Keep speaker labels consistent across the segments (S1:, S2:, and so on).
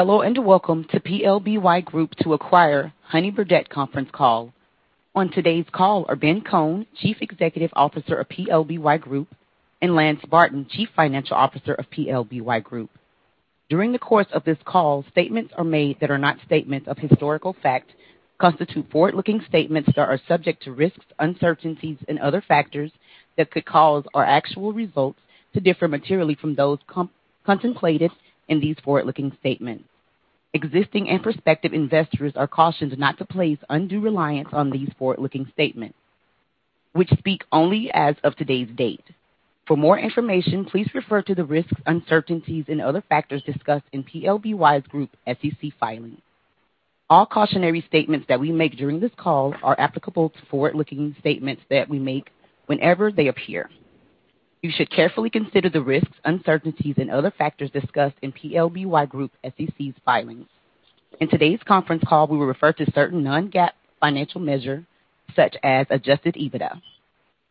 S1: Hello, and welcome to PLBY Group to acquire Honey Birdette conference call. On today's call are Ben Kohn, Chief Executive Officer of PLBY Group, and Lance Barton, Chief Financial Officer of PLBY Group. During the course of this call, statements are made that are not statements of historical fact, constitute forward-looking statements that are subject to risks, uncertainties, and other factors that could cause our actual results to differ materially from those contemplated in these forward-looking statements. Existing and prospective investors are cautioned not to place undue reliance on these forward-looking statements, which speak only as of today's date. For more information, please refer to the risks, uncertainties, and other factors discussed in PLBY Group's SEC filings. All cautionary statements that we make during this call are applicable to forward-looking statements that we make whenever they appear. You should carefully consider the risks, uncertainties, and other factors discussed in PLBY Group's SEC filings. In today's conference call, we refer to certain non-GAAP financial measures such as adjusted EBITDA.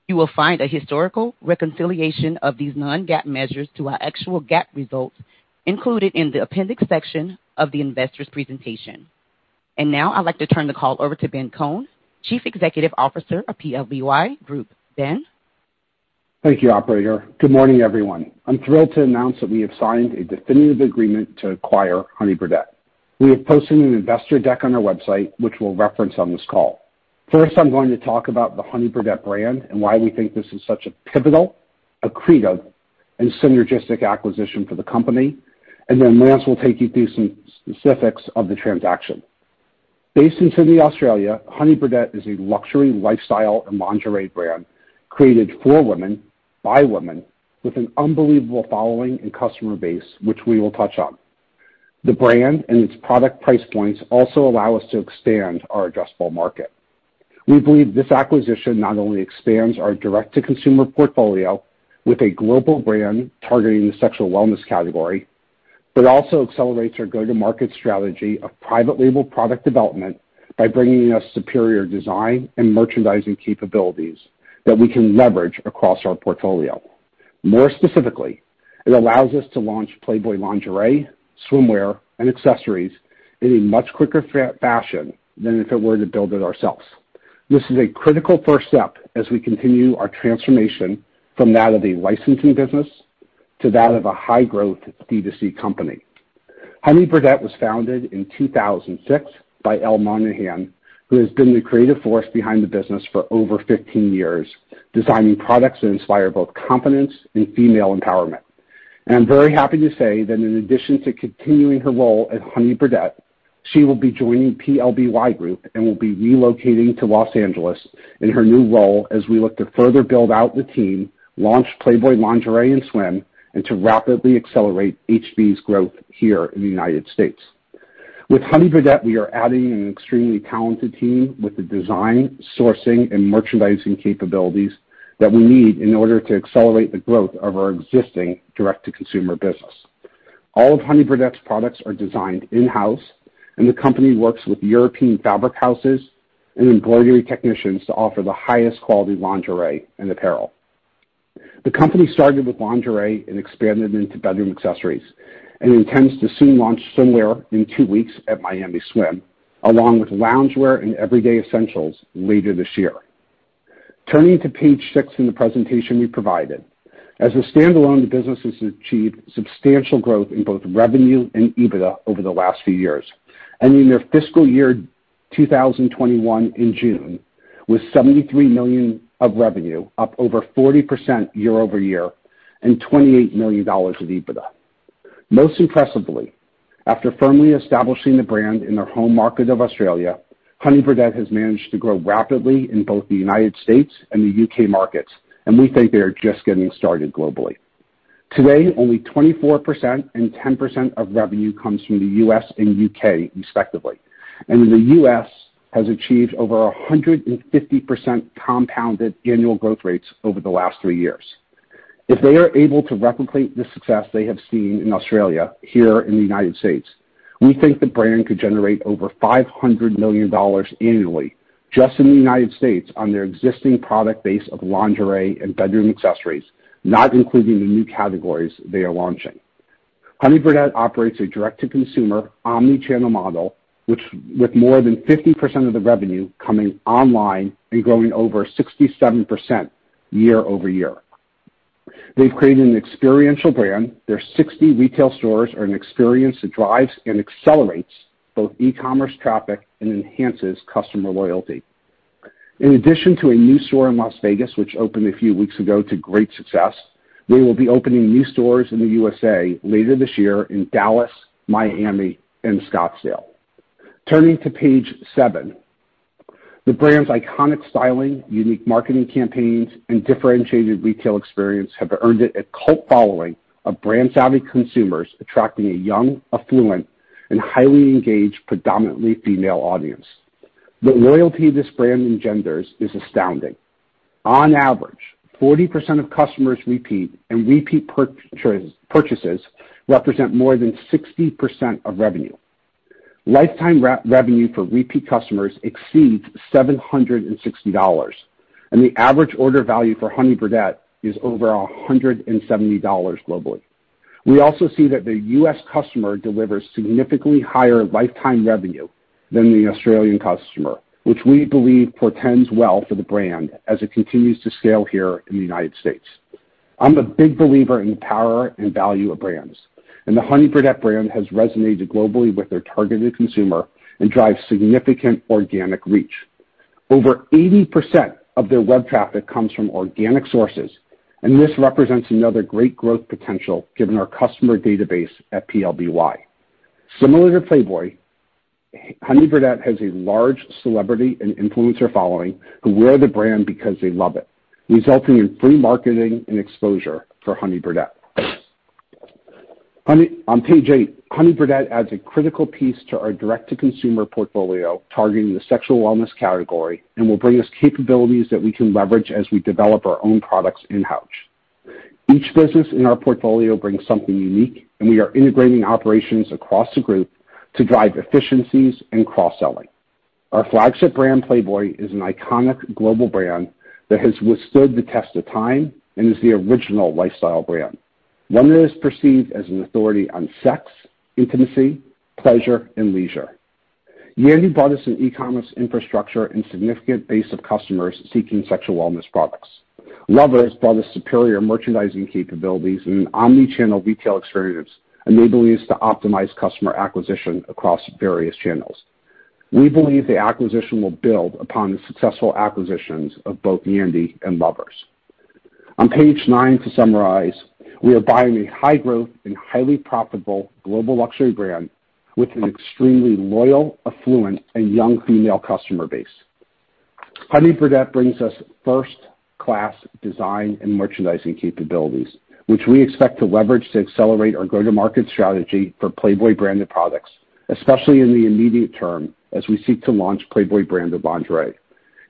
S1: You will find a historical reconciliation of these non-GAAP measures to our actual GAAP results included in the appendix section of the investor's presentation. Now I'd like to turn the call over to Ben Kohn, Chief Executive Officer of PLBY Group. Ben?
S2: Thank you, operator. Good morning, everyone. I'm thrilled to announce that we have signed a definitive agreement to acquire Honey Birdette. We have posted an investor deck on our website, which we'll reference on this call. First, I'm going to talk about the Honey Birdette brand and why we think this is such a pivotal, accretive, and synergistic acquisition for the company, and then Lance will take you through some specifics of the transaction. Based in Sydney, Australia, Honey Birdette is a luxury lifestyle and lingerie brand created for women by women with an unbelievable following and customer base, which we will touch on. The brand and its product price points also allow us to expand our addressable market. We believe this acquisition not only expands our direct-to-consumer portfolio with a global brand targeting the sexual wellness category, but also accelerates our go-to-market strategy of private label product development by bringing us superior design and merchandising capabilities that we can leverage across our portfolio. More specifically, it allows us to launch Playboy lingerie, swimwear, and accessories in a much quicker fashion than if it were to build it ourselves. This is a critical first step as we continue our transformation from that of a licensing business to that of a high-growth D2C company. Honey Birdette was founded in 2006 by Eloise Monaghan, who has been the creative force behind the business for over 15 years, designing products that inspire both confidence and female empowerment. I'm very happy to say that in addition to continuing her role at Honey Birdette, she will be joining PLBY Group and will be relocating to Los Angeles in her new role as we look to further build out the team, launch Playboy lingerie and swim, and to rapidly accelerate HB's growth here in the United States. With Honey Birdette, we are adding an extremely talented team with the design, sourcing, and merchandising capabilities that we need in order to accelerate the growth of our existing direct-to-consumer business. All of Honey Birdette's products are designed in-house, the company works with European fabric houses and embroidery technicians to offer the highest quality lingerie and apparel. The company started with lingerie and expanded into bedroom accessories, intends to soon launch swimwear in two weeks at Miami Swim, along with loungewear and everyday essentials later this year. Turning to page six in the presentation we provided. As a standalone business has achieved substantial growth in both revenue and EBITDA over the last few years, ending their fiscal year 2021 in June with $73 million of revenue, up over 40% year-over-year, and $28 million of EBITDA. Most impressively, after firmly establishing the brand in their home market of Australia, Honey Birdette has managed to grow rapidly in both the U.S. and the U.K. markets, and we think they are just getting started globally. Today, only 24% and 10% of revenue comes from the U.S. and U.K. respectively, and the U.S. has achieved over 150% compounded annual growth rates over the last three years. If they are able to replicate the success they have seen in Australia here in the United States, we think the brand could generate over $500 million annually just in the United States on their existing product base of lingerie and bedroom accessories, not including the new categories they are launching. Honey Birdette operates a direct-to-consumer omni-channel model, with more than 50% of the revenue coming online and going over 67% year-over-year. They've created an experiential brand. Their 60 retail stores are an experience that drives and accelerates both e-commerce traffic and enhances customer loyalty. In addition to a new store in Las Vegas, which opened a few weeks ago to great success, they will be opening new stores in the USA later this year in Dallas, Miami, and Scottsdale. Turning to page seven. The brand's iconic styling, unique marketing campaigns, and differentiated retail experience have earned it a cult following of brand-savvy consumers attracting a young, affluent and highly engaged, predominantly female audience. The loyalty this brand engenders is astounding. On average, 40% of customers repeat, and repeat purchases represent more than 60% of revenue. Lifetime revenue for repeat customers exceeds $760, and the average order value for Honey Birdette is over $170 globally. We also see that the U.S. customer delivers significantly higher lifetime revenue than the Australian customer, which we believe portends well for the brand as it continues to scale here in the United States. I'm a big believer in power and value of brands, the Honey Birdette brand has resonated globally with their targeted consumer and drives significant organic reach. Over 80% of their web traffic comes from organic sources. This represents another great growth potential given our customer database at PLBY. Similar to Playboy, Honey Birdette has a large celebrity and influencer following who wear the brand because they love it, resulting in free marketing and exposure for Honey Birdette. On page eight, Honey Birdette adds a critical piece to our direct-to-consumer portfolio targeting the sexual wellness category and will bring us capabilities that we can leverage as we develop our own products in-house. Each business in our portfolio brings something unique. We are integrating operations across the group to drive efficiencies and cross-selling. Our flagship brand, Playboy, is an iconic global brand that has withstood the test of time and is the original lifestyle brand. One that is perceived as an authority on sex, intimacy, pleasure, and leisure. Yandy brought us an e-commerce infrastructure and significant base of customers seeking sexual wellness products. Lovers brought us superior merchandising capabilities and an omnichannel retail experience enabling us to optimize customer acquisition across various channels. We believe the acquisition will build upon the successful acquisitions of both Yandy and Lovers. On page nine, to summarize, we are buying a high-growth and highly profitable global luxury brand with an extremely loyal, affluent, and young female customer base. Honey Birdette brings us first-class design and merchandising capabilities, which we expect to leverage to accelerate our go-to-market strategy for Playboy-branded products, especially in the immediate term as we seek to launch Playboy-branded lingerie.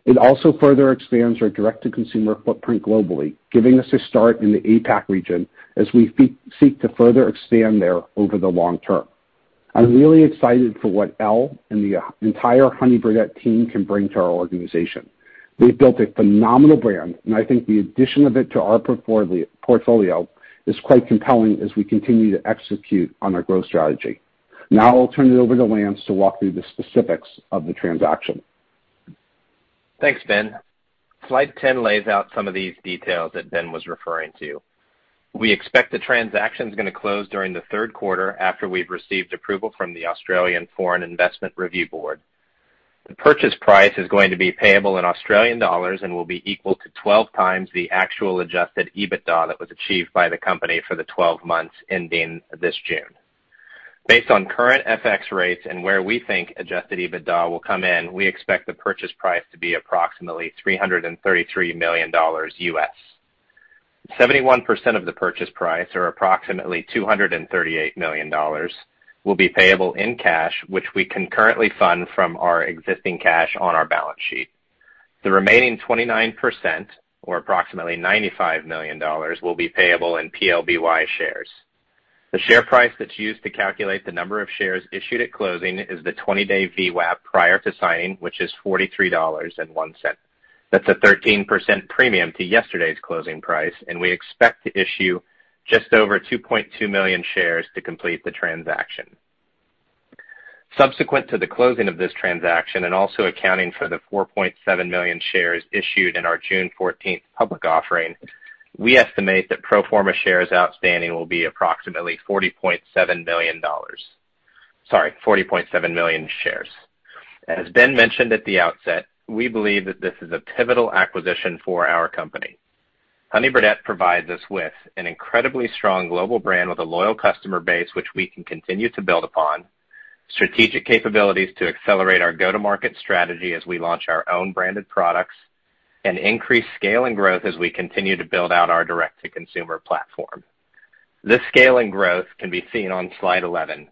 S2: It also further expands our direct-to-consumer footprint globally, giving us a start in the APAC region as we seek to further expand there over the long term. I'm really excited for what Elle and the entire Honey Birdette team can bring to our organization. They've built a phenomenal brand, and I think the addition of it to our portfolio is quite compelling as we continue to execute on our growth strategy. Now I'll turn it over to Lance to walk through the specifics of the transaction.
S3: Thanks, Ben. Slide 10 lays out some of these details that Ben was referring to. We expect the transaction is going to close during the third quarter after we've received approval from the Australian Foreign Investment Review Board. The purchase price is going to be payable in Australian dollars and will be equal to 12x the actual adjusted EBITDA that was achieved by the company for the 12 months ending this June. Based on current FX rates and where we think adjusted EBITDA will come in, we expect the purchase price to be approximately $333 million U.S. 71% of the purchase price, or approximately $238 million, will be payable in cash, which we concurrently fund from our existing cash on our balance sheet. The remaining 29%, or approximately $95 million, will be payable in PLBY shares. The share price that's used to calculate the number of shares issued at closing is the 20-day VWAP prior to signing, which is $43.01. That's a 13% premium to yesterday's closing price. We expect to issue just over 2.2 million shares to complete the transaction. Subsequent to the closing of this transaction and also accounting for the 4.7 million shares issued in our June 14th public offering, we estimate that pro forma shares outstanding will be approximately 40.7 million shares. As Ben mentioned at the outset, we believe that this is a pivotal acquisition for our company. Honey Birdette provides us with an incredibly strong global brand with a loyal customer base, which we can continue to build upon, strategic capabilities to accelerate our go-to-market strategy as we launch our own branded products, and increased scale and growth as we continue to build out our direct-to-consumer platform. This scale and growth can be seen on slide 11.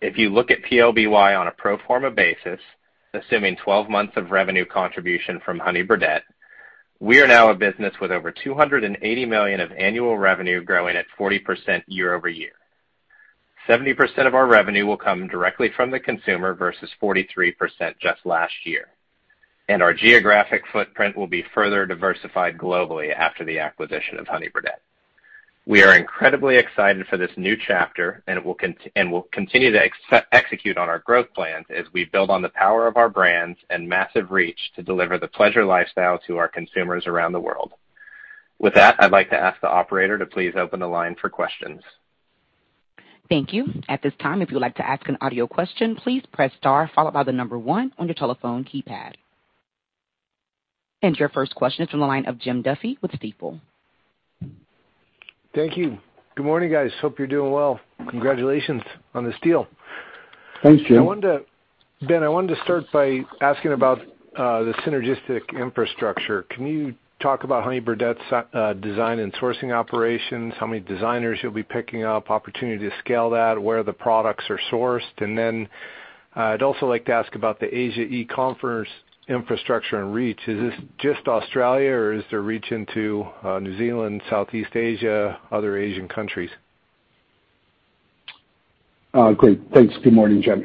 S3: If you look at PLBY on a pro forma basis, assuming 12 months of revenue contribution from Honey Birdette, we are now a business with over $280 million of annual revenue growing at 40% year-over-year. 70% of our revenue will come directly from the consumer versus 43% just last year. Our geographic footprint will be further diversified globally after the acquisition of Honey Birdette. We are incredibly excited for this new chapter, and we'll continue to execute on our growth plans as we build on the power of our brands and massive reach to deliver the Pleasure Lifestyle to our consumers around the world. With that, I'd like to ask the operator to please open the line for questions.
S1: Thank you. At this time if you like to ask audio question please press star followed by the number one on your telephone keypad. And your first question from the line of Jim Duffy with Stifel.
S4: Thank you. Good morning, guys. Hope you're doing well. Congratulations on this deal.
S2: Thanks, Jim.
S4: Ben, I wanted to start by asking about the synergistic infrastructure. Can you talk about Honey Birdette's design and sourcing operations, how many designers you'll be picking up, opportunity to scale that, where the products are sourced? I'd also like to ask about the Asia e-commerce infrastructure and reach. Is this just Australia or is the reach into New Zealand, Southeast Asia, other Asian countries?
S2: Great. Thanks. Good morning, Jim.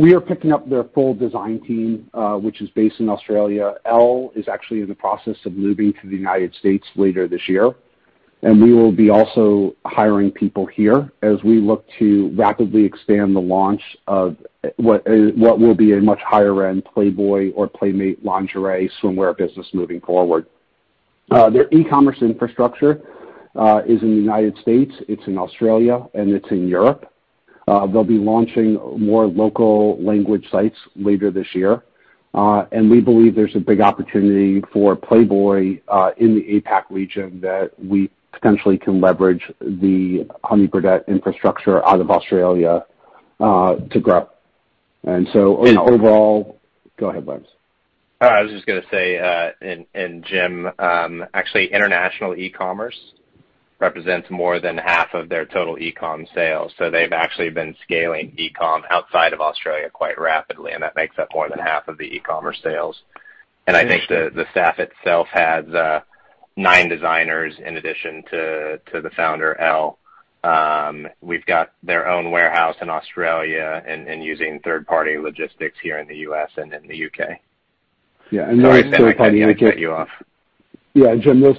S2: We are picking up their full design team, which is based in Australia. Elle is actually in the process of moving to the United States later this year, and we will be also hiring people here as we look to rapidly expand the launch of what will be a much higher-end Playboy or Playmate lingerie swimwear business moving forward. Their e-commerce infrastructure is in the United States, it's in Australia, and it's in Europe. They'll be launching more local language sites later this year. We believe there's a big opportunity for Playboy in the APAC region that we potentially can leverage the Honey Birdette infrastructure out of Australia to grow. Overall Go ahead, Lance.
S3: I was just going to say, Jim, actually international e-commerce represents more than half of their total e-com sales. They've actually been scaling e-com outside of Australia quite rapidly, and that makes up more than half of the e-commerce sales. I think the staff itself has nine designers in addition to the founder, Elle. We've got their own warehouse in Australia and using third-party logistics here in the U.S. and in the U.K.
S2: Yeah.
S3: Sorry, Ben, I cut you off.
S2: Yeah. Jim, those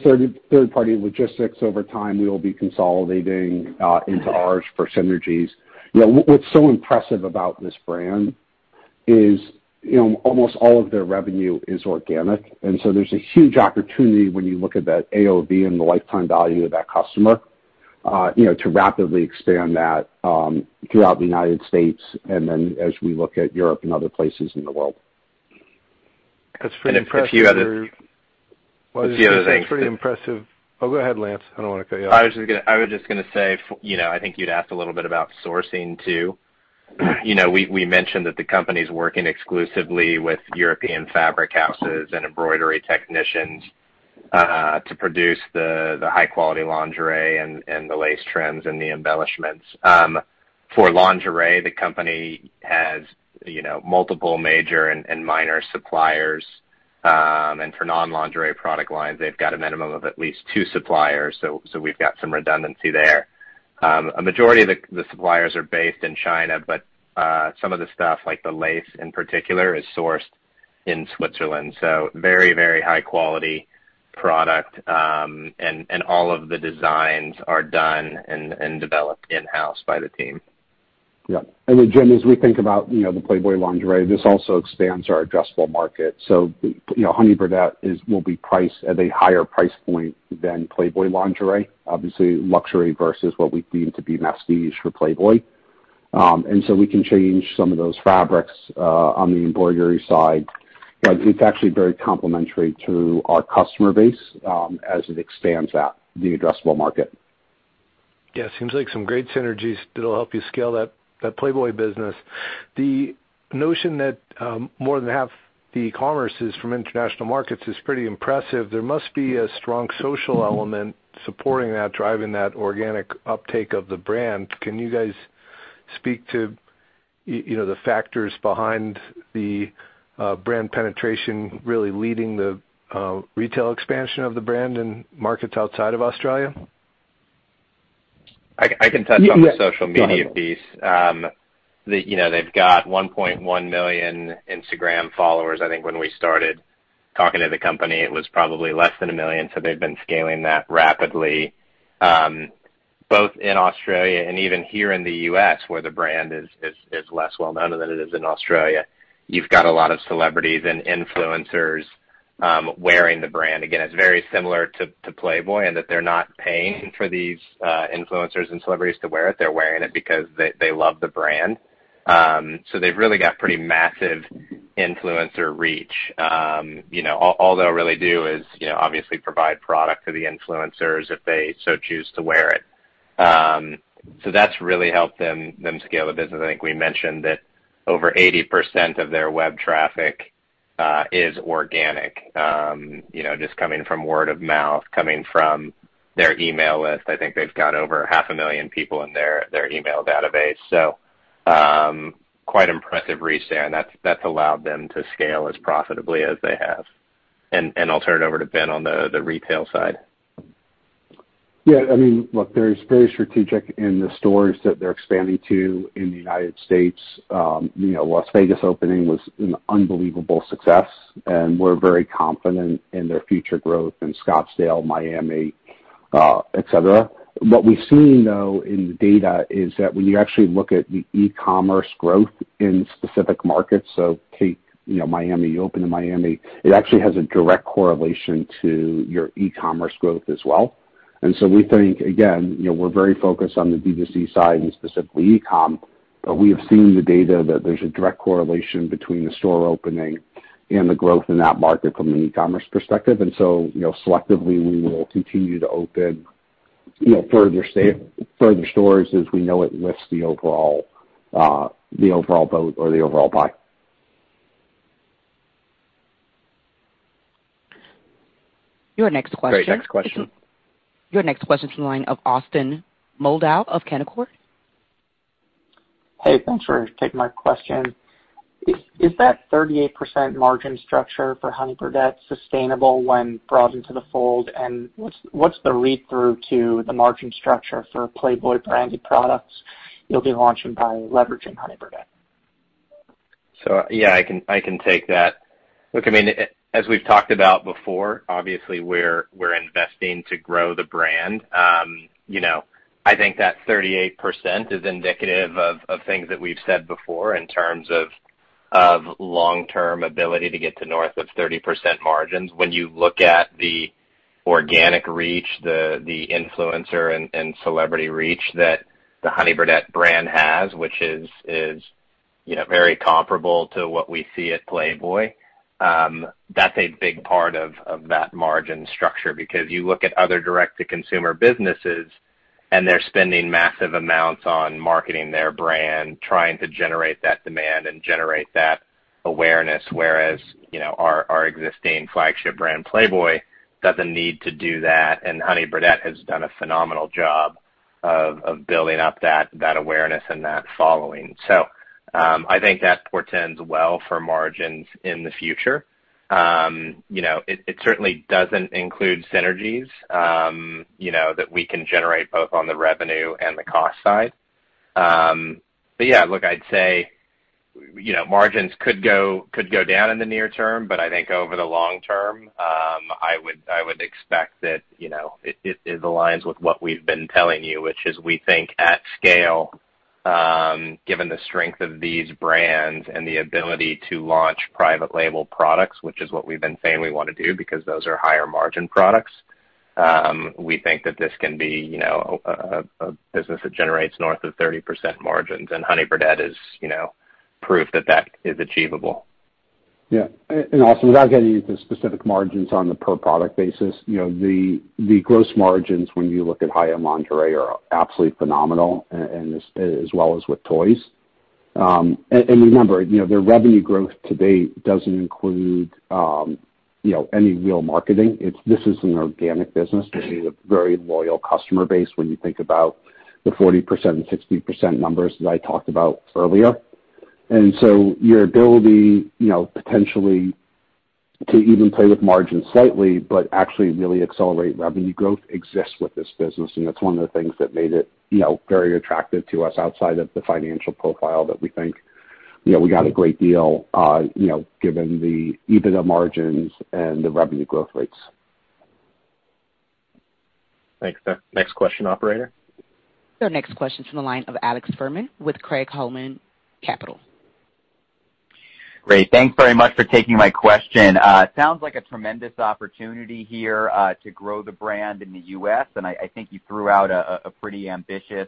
S2: third-party logistics, over time, we'll be consolidating into ours for synergies. What's so impressive about this brand is almost all of their revenue is organic, and so there's a huge opportunity when you look at that AOV and the lifetime value of that customer, to rapidly expand that throughout the United States and then as we look at Europe and other places in the world.
S4: That's pretty impressive.
S2: Any other things?
S4: That's pretty impressive. Oh, go ahead, Lance. I don't want to cut you off.
S3: I was just going to say, I think you'd asked a little bit about sourcing too. We mentioned that the company's working exclusively with European fabric houses and embroidery technicians, to produce the high-quality lingerie and the lace trends and the embellishments. For lingerie, the company has multiple major and minor suppliers. For non-lingerie product lines, they've got a minimum of at least two suppliers, so we've got some redundancy there. A majority of the suppliers are based in China, but some of the stuff like the lace in particular is sourced in Switzerland. Very high quality product, and all of the designs are done and developed in-house by the team.
S2: Yeah. Look, Jim, as we think about the Playboy lingerie, this also expands our addressable market. Honey Birdette will be priced at a higher price point than Playboy lingerie, obviously luxury versus what we think to be mass niche for Playboy. We can change some of those fabrics on the embroidery side, but it's actually very complementary to our customer base, as it expands that, the addressable market.
S4: Yeah. Seems like some great synergies that'll help you scale that Playboy business. The notion that more than half the e-commerce is from international markets is pretty impressive. There must be a strong social element supporting that, driving that organic uptake of the brand. Can you guys speak to the factors behind the brand penetration really leading the retail expansion of the brand in markets outside of Australia?
S3: I can touch on the social media piece. They've got 1.1 million Instagram followers. I think when we started talking to the company, it was probably less than a million. They've been scaling that rapidly, both in Australia and even here in the U.S. where the brand is less well-known than it is in Australia. You've got a lot of celebrities and influencers wearing the brand. Again, it's very similar to Playboy in that they're not paying for these influencers and celebrities to wear it. They're wearing it because they love the brand. They've really got pretty massive influencer reach. All they really do is obviously provide product for the influencers if they so choose to wear it. That's really helped them scale the business. I think we mentioned that over 80% of their web traffic is organic, just coming from word of mouth, coming from their email list. I think they've got over 500,000 people in their email database. Quite impressive reach there, and that's allowed them to scale as profitably as they have. I'll turn it over to Ben on the retail side.
S2: Yeah, look, they're very strategic in the stores that they're expanding to in the U.S. Las Vegas opening was an unbelievable success. We're very confident in their future growth in Scottsdale, Miami, et cetera. What we've seen, though, in the data is that when you actually look at the e-commerce growth in specific markets, take Miami, open in Miami, it actually has a direct correlation to your e-commerce growth as well. We think, again, we're very focused on the D2C side and specifically e-com. We have seen the data that there's a direct correlation between the store opening and the growth in that market from an e-commerce perspective. Selectively, we will continue to open further stores as we know it lifts the overall boat or the overall pie.
S1: Your next question.
S3: Great question.
S1: Your next question's on the line of Austin Moldow of Canaccord.
S5: Hey, thanks for taking my question. Is that 38% margin structure for Honey Birdette sustainable when brought into the fold? What's the read-through to the margin structure for Playboy branded products you'll be launching by leveraging Honey Birdette?
S3: Yeah, I can take that. Look, as we've talked about before, obviously we're investing to grow the brand. I think that 38% is indicative of things that we've said before in terms of long-term ability to get to north of 30% margins. When you look at the organic reach, the influencer and celebrity reach that the Honey Birdette brand has, which is very comparable to what we see at Playboy, that's a big part of that margin structure because you look at other direct-to-consumer businesses and they're spending massive amounts on marketing their brand, trying to generate that demand and generate that awareness. Whereas, our existing flagship brand, Playboy, doesn't need to do that, and Honey Birdette has done a phenomenal job of building up that awareness and that following. I think that portends well for margins in the future. It certainly doesn't include synergies that we can generate both on the revenue and the cost side. Yeah, look, I'd say margins could go down in the near term, but I think over the long term, I would expect that it aligns with what we've been telling you, which is we think at scale, given the strength of these brands and the ability to launch private label products, which is what we've been saying we want to do because those are higher margin products. We think that this can be a business that generates north of 30% margins and Honey Birdette is proof that is achievable.
S2: Yeah. Without getting into specific margins on a per product basis, the gross margins when you look at Honey Birdette lingerie are absolutely phenomenal as well as with toys. Remember, their revenue growth to date doesn't include any real marketing. This is an organic business, which is a very loyal customer base when you think about the 40% and 60% numbers that I talked about earlier. Your ability potentially to even play with margins slightly but actually really accelerate revenue growth exists with this business. That's one of the things that made it very attractive to us outside of the financial profile that we think we got a great deal, given the EBITDA margins and the revenue growth rates.
S3: Thanks. Next question, operator.
S1: The next question is from the line of Alex Fuhrman with Craig-Hallum Capital.
S6: Great. Thanks very much for taking my question. Sounds like a tremendous opportunity here to grow the brand in the U.S. and I think you threw out a pretty ambitious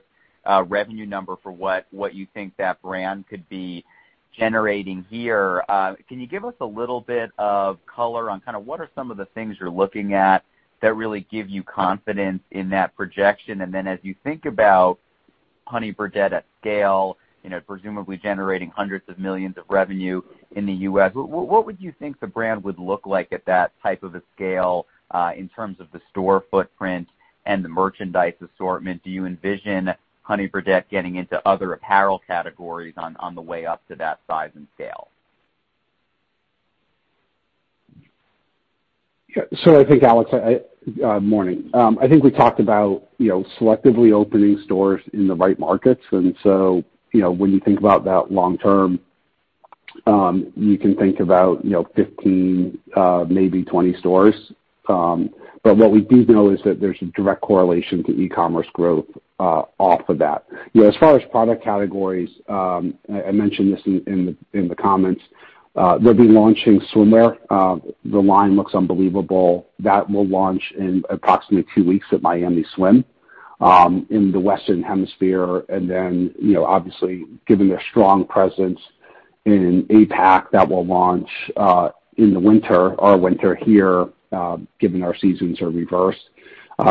S6: revenue number for what you think that brand could be generating here. Can you give us a little bit of color on what are some of the things you're looking at that really give you confidence in that projection? Then as you think about Honey Birdette at scale, presumably generating hundreds of millions of in revenue in the U.S., what would you think the brand would look like at that type of a scale in terms of the store footprint and the merchandise assortment? Do you envision Honey Birdette getting into other apparel categories on the way up to that size and scale?
S2: Alex Fuhrman, morning. When you think about that long term, you can think about 15, maybe 20 stores. What we do know is that there's a direct correlation to e-commerce growth off of that. As far as product categories, I mentioned this in the comments, they'll be launching swimwear. The line looks unbelievable. That will launch in approximately two weeks at Miami Swim, in the Western Hemisphere. Then, obviously, given their strong presence in APAC, that will launch in the winter or winter here, given our seasons are reversed.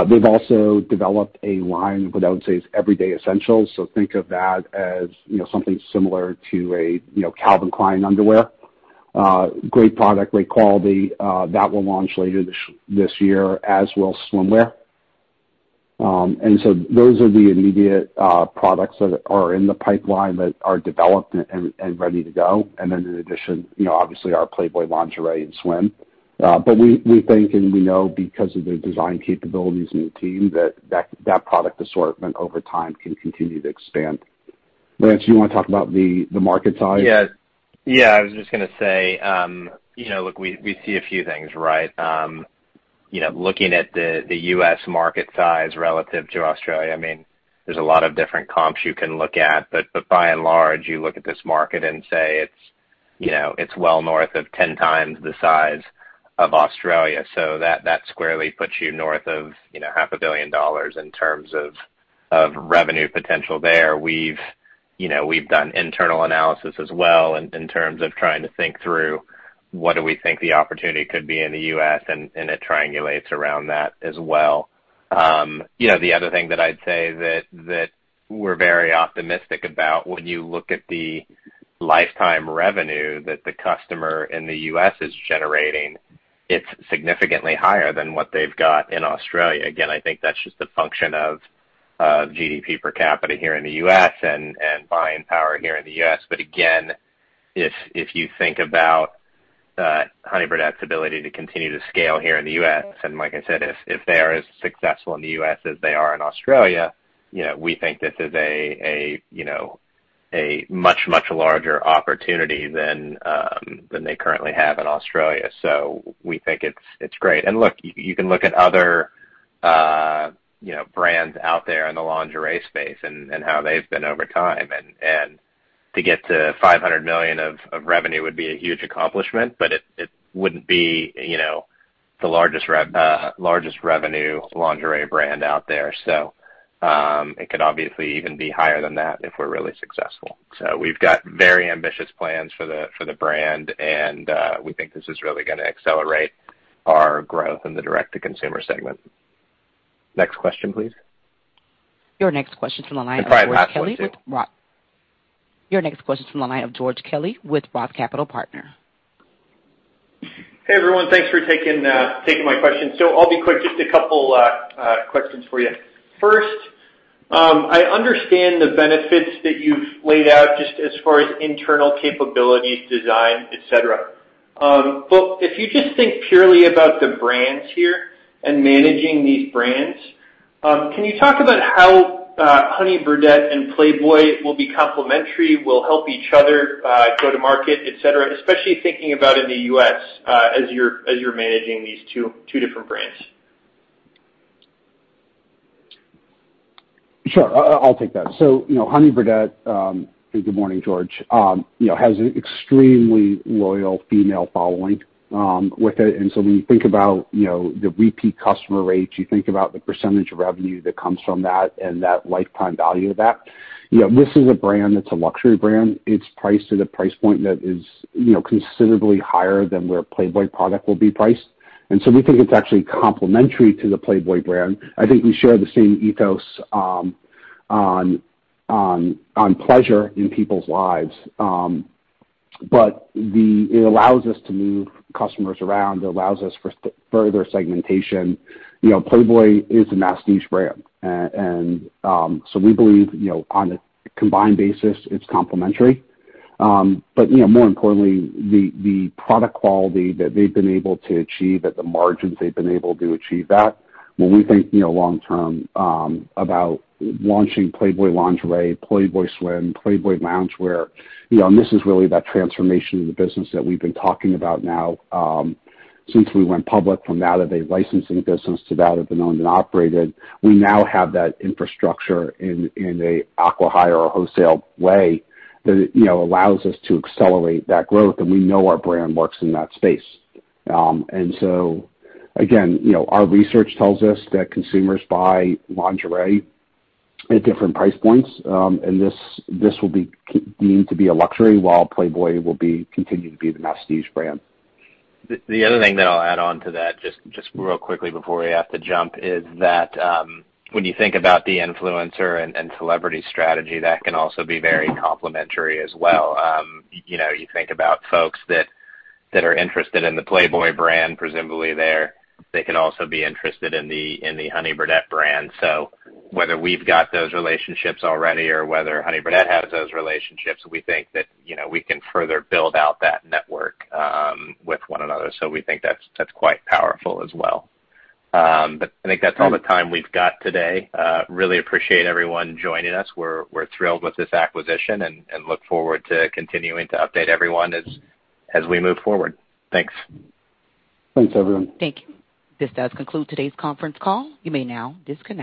S2: They've also developed a line of what I would say is everyday essentials. Think of that as something similar to a Calvin Klein underwear. Great product, great quality, that will launch later this year as will swimwear. Those are the immediate products that are in the pipeline that are developed and ready to go. In addition, obviously our Playboy lingerie and swim. We think and we know because of their design capabilities and the team that product assortment over time can continue to expand. Lance, you want to talk about the market size?
S3: Yeah. I was just going to say, we see a few things, right? Looking at the U.S. market size relative to Australia, there's a lot of different comps you can look at. By and large, you look at this market and say it's well north of 10x the size of Australia. That squarely puts you north of half a billion dollars in terms of revenue potential there. We've done internal analysis as well in terms of trying to think through what do we think the opportunity could be in the U.S. and it triangulates around that as well. The other thing that I'd say that we're very optimistic about when you look at the lifetime revenue that the customer in the U.S. is generating It's significantly higher than what they've got in Australia. I think that's just a function of GDP per capita here in the U.S. and buying power here in the U.S. If you think about Honey Birdette's ability to continue to scale here in the U.S., and like I said, if they're as successful in the U.S. as they are in Australia, we think this is a much larger opportunity than they currently have in Australia. We think it's great. Look, you can look at other brands out there in the lingerie space and how they've been over time. To get to $500 million of revenue would be a huge accomplishment, but it wouldn't be the largest revenue lingerie brand out there. It could obviously even be higher than that if we're really successful. We've got very ambitious plans for the brand, and we think this is really going to accelerate our growth in the direct-to-consumer segment. Next question, please.
S1: Your next question is from the line of George Kelly with ROTH Capital Partners.
S7: Hey, everyone. Thanks for taking my question. I'll be quick. Just a couple questions for you. First, I understand the benefits that you've laid out just as far as internal capabilities, design, etc. If you just think purely about the brands here and managing these brands, can you talk about how Honey Birdette and Playboy will be complementary, will help each other go to market, et cetera, especially thinking about in the U.S. as you're managing these two different brands?
S2: Sure. I'll take that. Honey Birdette, good morning, George, has an extremely loyal female following with it. When you think about the repeat customer rates, you think about the percentage of revenue that comes from that and that lifetime value of that. This is a brand that's a luxury brand. It's priced at a price point that is considerably higher than where Playboy product will be priced. We think it's actually complementary to the Playboy brand. I think we share the same ethos on pleasure in people's lives. It allows us to move customers around. It allows us for further segmentation. Playboy is a mass niche brand. We believe, on a combined basis, it's complementary. More importantly, the product quality that they've been able to achieve at the margins they've been able to achieve that. When we think long-term about launching Playboy lingerie, Playboy swim, Playboy loungewear, this is really that transformation of the business that we've been talking about now since we went public from that of a licensing business to that of an owned and operated. We now have that infrastructure in an acqui-hire or wholesale way that allows us to accelerate that growth, we know our brand works in that space. Again, our research tells us that consumers buy lingerie at different price points, this will be continued to be a luxury while Playboy will continue to be the mass niche brand.
S3: The other thing that I'll add on to that, just real quickly before we have to jump, is that when you think about the influencer and celebrity strategy, that can also be very complementary as well. You think about folks that are interested in the Playboy brand, presumably they can also be interested in the Honey Birdette brand. Whether we've got those relationships already or whether Honey Birdette has those relationships, we think that we can further build out that network with one another. We think that's quite powerful as well. I think that's all the time we've got today. Really appreciate everyone joining us. We're thrilled with this acquisition and look forward to continuing to update everyone as we move forward. Thanks.
S2: Thanks, everyone.
S1: Thank you. This does conclude today's conference call. You may now disconnect.